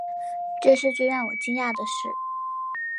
这是最让我惊讶的事